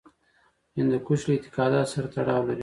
هندوکش له اعتقاداتو سره تړاو لري.